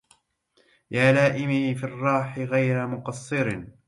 يا لائمي في الراح غير مقصر